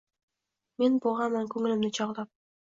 “Men bo’g’aman ko’nglimni chog’lab